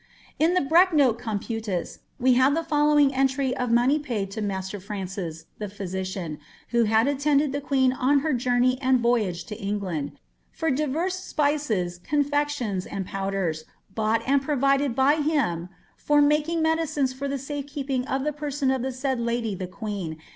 •• In the Breknoke Computus we have the following entry of money paid to master Francis, the physician, who had atirnded xhv quern on her journey and voyage to England, for divers spices, confeclious, and pouflers, bitught and provided by him, for making mt'dicines for the safe keeping of the person of the said lady th(> (picen.